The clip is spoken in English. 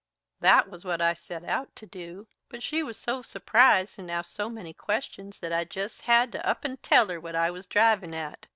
"That was what I set out to do, but she was so surprised an' asked so many questions that I jest had to up and tell her what I was drivin' at.